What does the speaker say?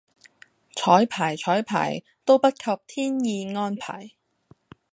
綵排綵排都不及天意安排